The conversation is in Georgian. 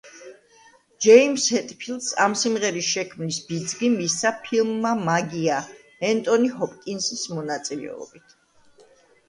ჯეიმზ ჰეტფილდს ამ სიმღერის შექმნის ბიძგი მისცა ფილმმა „მაგია“, ენტონი ჰოპკინზის მონაწილეობით.